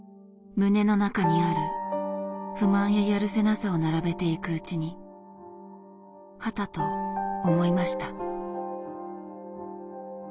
胸の中にある不満ややるせなさを並べていくうちにハタと思いました。